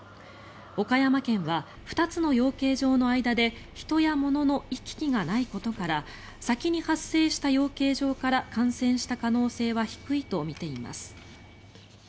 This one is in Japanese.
岡山県は２つの養鶏場の間で人や物の行き来がないことから先に発生した養鶏場から感染した可能性は低いとみています。